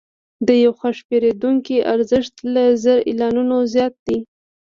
د یو خوښ پیرودونکي ارزښت له زر اعلانونو زیات دی.